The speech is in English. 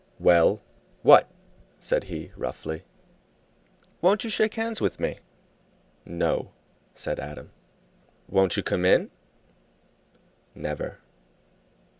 "Well, what?" said he, roughly. "Won't you shake hands with me?" "No," said Adam. "Won't you come in?" "Never."